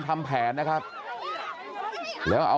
กลับไปลองกลับ